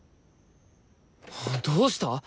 どうした？